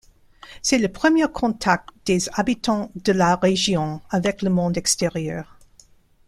C'est le premier contact des habitants de la région avec le monde extérieur.